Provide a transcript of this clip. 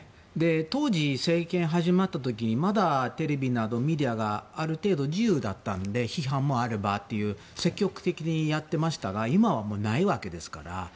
当時、政権が始まった時にまだテレビなどメディアがある程度自由だったので批判もあればっていう積極的にやっていましたが今はないわけですから。